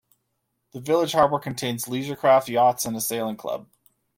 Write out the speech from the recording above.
The village harbour contains leisure craft, yachts, and a sailing club.